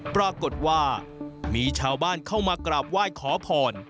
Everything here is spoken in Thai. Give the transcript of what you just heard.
ปรากฏว่ามีชาวบ้านเข้ามากราบไหว้ขอพร